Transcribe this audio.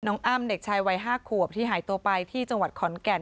อ้ำเด็กชายวัย๕ขวบที่หายตัวไปที่จังหวัดขอนแก่น